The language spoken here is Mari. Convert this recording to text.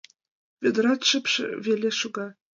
Вӧдырат шып веле шога.